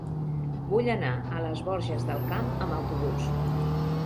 Vull anar a les Borges del Camp amb autobús.